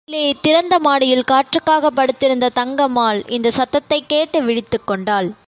ணங் அறைக்கு வெளியிலே திறந்த மாடியில் காற்றுக்காகப் படுத்திருந்த தங்கம்மாள் இந்தச் சத்தத்தைக் கேட்டு விழித்துக் கொண்டாள்.